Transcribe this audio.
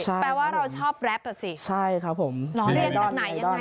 แปลว่าเราชอบแรปอ่ะสิใช่ครับผมเรียนจากไหนยังไง